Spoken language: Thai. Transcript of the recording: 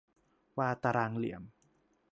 วาตารางเหลี่ยม